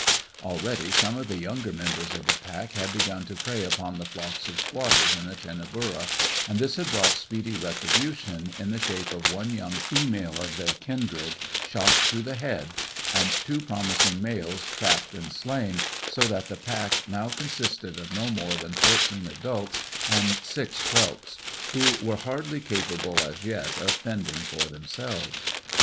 Already some of the younger members of the pack had begun to prey upon the flocks of squatters in the Tinnaburra, and this had brought speedy retribution in the shape of one young female of their kindred shot through the head, and two promising males trapped and slain, so that the pack now consisted of no more than fourteen adults and six whelps, who were hardly capable as yet of fending for themselves.